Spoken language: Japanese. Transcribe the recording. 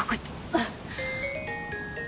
あっ。